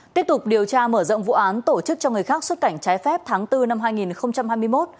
tiếp tục điều tra mở rộng vụ án tổ chức cho người khác xuất cảnh trái phép tháng bốn năm hai nghìn hai mươi một